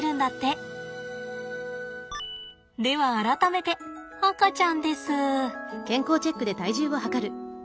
では改めて赤ちゃんです。